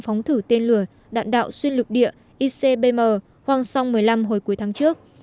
phóng thử tên lửa đạn đạo xuyên lục địa icbm hoang song một mươi năm hồi cuối tháng trước